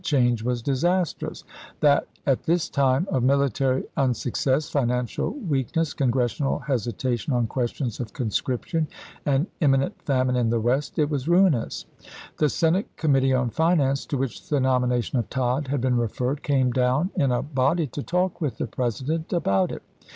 change was disastrous; that at this time of mili tary unsuccess, financial weakness, congressional hesitation on questions of conscription, and immi nent famine in the West, it was ruinous. The Senate Committee on Finance, to which the nomi nation of Tod had been referred, came down in a body to talk with the President about it.